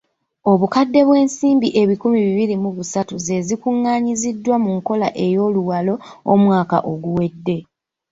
Obukadde bw’ensimbi ebikumi bibiri mu busatu ze zikuŋŋaanyiziddwa mu nkola ey’oluwalo omwaka oguwedde.